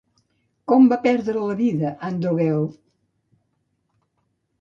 Com va perdre la vida Androgeu?